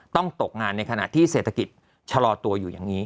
ตกงานในขณะที่เศรษฐกิจชะลอตัวอยู่อย่างนี้